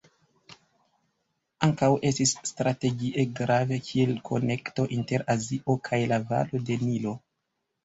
Ankaŭ estis strategie grava kiel konekto inter Azio kaj la valo de Nilo.